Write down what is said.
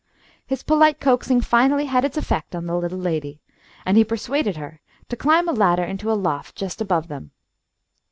His polite coaxing finally had its effect on the little lady, and he persuaded her to climb a ladder into a loft just above them.